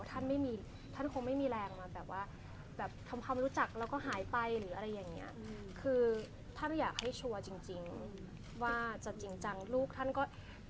ท่านไม่มีท่านคงไม่มีแรงมาแบบว่าแบบทำความรู้จักแล้วก็หายไปหรืออะไรอย่างเงี้ยคือท่านอยากให้ชัวร์จริงจริงว่าจะจริงจังลูกท่านก็